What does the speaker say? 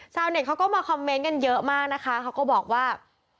เน็ตเขาก็มาคอมเมนต์กันเยอะมากนะคะเขาก็บอกว่า